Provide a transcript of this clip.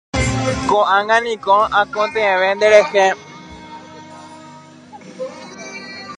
Ko'ág̃a niko aikotevẽ nderehe.